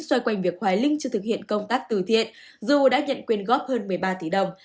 xoay quanh việc hoài linh chưa thực hiện công tác từ thiện dù đã nhận quyên góp hơn một mươi ba tỷ đồng